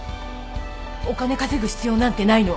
お金稼ぐ必要なんてないの。